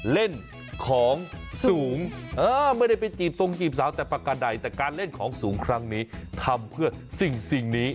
เล่นของสูงไม่ได้ไปจีบทรงจีบสาวแต่ประการใดแต่การเล่นของสูงครั้งนี้ทำเพื่อสิ่งนี้